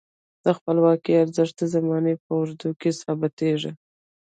د خپلواکۍ ارزښت د زمانې په اوږدو کې ثابتیږي.